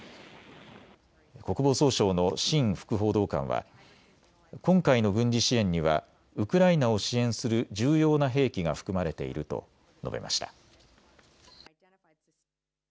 国防総省のシン副報道官は今回の軍事支援にはウクライナを支援する重要な兵器が含まれていると述べました。